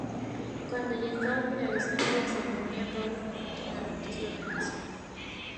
Cuando ya estaba finalizando la ceremonia, Paulo comete un error en su ordenación.